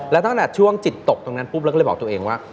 แล้วตั้งแต่ช่วงจิตตกตรงนั้นปุ๊บเราก็เลยบอกตัวเองว่า